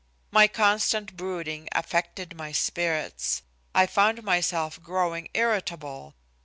My constant brooding affected my spirits. I found myself growing irritable.